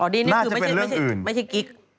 ออดี้นี่คือไม่ใช่กิ๊ก